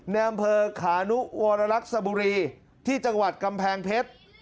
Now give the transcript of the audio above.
ในอำเภอขานุวรรลักษบุรีที่จังหวัดกำแพงเพชร